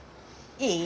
いい？